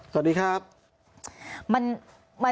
สวัสดีครับ